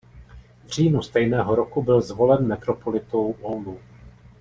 V říjnu stejného roku byl zvolen metropolitou Oulu.